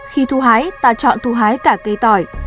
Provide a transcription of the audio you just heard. khi thu hái ta chọn thu hái cả cây tỏi